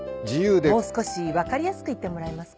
もう少し分かりやすく言ってもらえますか？